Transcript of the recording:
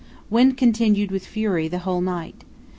—Wind continued with fury the whole night.